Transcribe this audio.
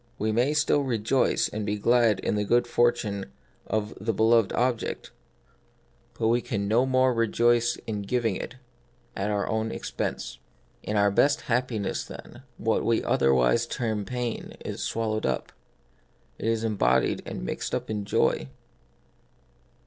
We may still rejoice and be glad in the good fortune of the beloved object, but we The Mystery of Pain. 37 can no more rejoice in giving it at our own expense. In our best happiness, then, what we other wise term pain is swallowed up. It is embo died and mixed up in the joy.